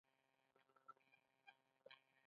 موږ هڅه کوله چې تړون ته له افغاني عینکو وګورو.